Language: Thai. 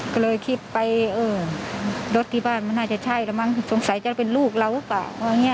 ก็เลยคิดไปเออรถที่บ้านมันน่าจะใช่แล้วมั้งสงสัยจะเป็นลูกเราหรือเปล่าว่าอย่างนี้